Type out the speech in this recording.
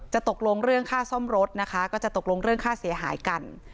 ตกลงเรื่องค่าซ่อมรถนะคะก็จะตกลงเรื่องค่าเสียหายกัน